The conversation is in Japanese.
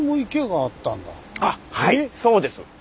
あっはいそうです。